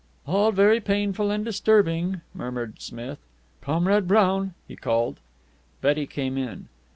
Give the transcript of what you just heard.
"All very painful and disturbing," murmured Smith. "Comrade Brown!" he called. Betty came in.